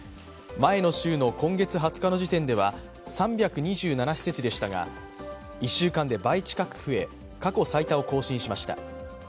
前の週の今月２０日の時点では３２７施設でしたが１週間で倍近く増え過去最多を更新しました。